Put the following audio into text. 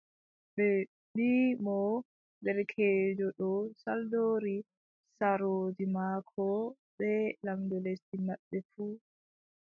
Ɓe mbii mo : derkeejo ɗo saldori saarooji maako bee lamɗo lesdi maɓɓe fuu,